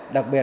đặc biệt là